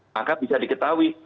maka bisa diketahui